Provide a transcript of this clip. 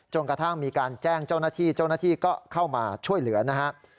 กระทั่งมีการแจ้งเจ้าหน้าที่เจ้าหน้าที่ก็เข้ามาช่วยเหลือนะครับ